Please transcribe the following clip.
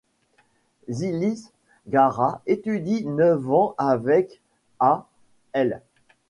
Żylis-Gara étudie neuf ans avec à l.